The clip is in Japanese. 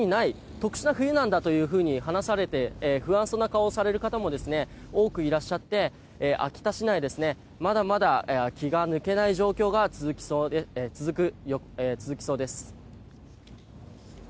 特殊な冬なんだというふうに話されて不安そうな顔をされる方も多くいらっしゃって秋田市内、まだまだ気が抜けない状況が続きそうです。